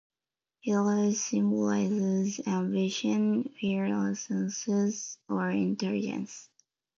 Yellow symbolizes ambition, fierceness, or intelligence.